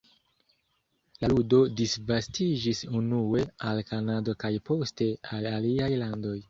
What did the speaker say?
La ludo disvastiĝis unue al Kanado kaj poste al aliaj landoj.